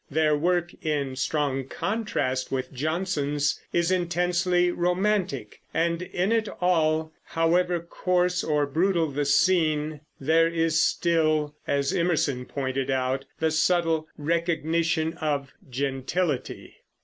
Their work, in strong contrast with Jonson's, is intensely romantic, and in it all, however coarse or brutal the scene, there is still, as Emerson pointed out, the subtle "recognition of gentility."